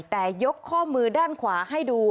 แต่ยกข้อมือด้านขวาให้ดู